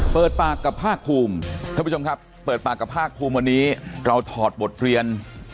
เปิดปากกับภาคภูมิท่านผู้ชมครับเปิดปากกับภาคภูมิวันนี้เราถอดบทเรียน